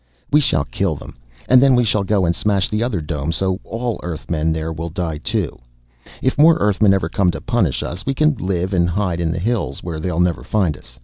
We shall kill them and then we shall go and smash the other dome so all the Earthmen there will die too. If more Earthmen ever come to punish us, we can live and hide in the hills where they'll never find us.